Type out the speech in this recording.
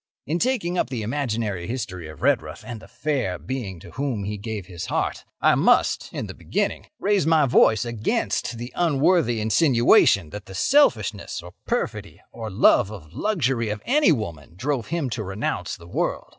"In taking up the imaginary history of Redruth and the fair being to whom he gave his heart, I must, in the beginning, raise my voice against the unworthy insinuation that the selfishness or perfidy or love of luxury of any woman drove him to renounce the world.